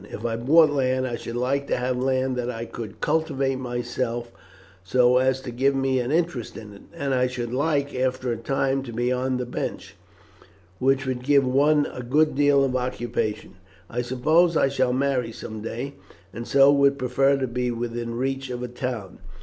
If I bought land, I should like to have land that I could cultivate myself, so as to give me an interest in it, and I should like, after a time, to be on the bench, which would give one a good deal of occupation. I suppose I shall marry some day, and so would prefer to be within reach of a town.